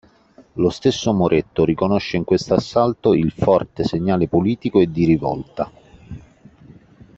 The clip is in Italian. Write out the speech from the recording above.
Lo stesso Moretto riconosce in questo assalto il forte segnale politico e di rivolta.